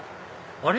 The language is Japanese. あれ？